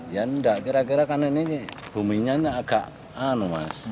ya enggak kira kira karena ini buminya agak anuas